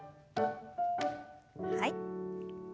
はい。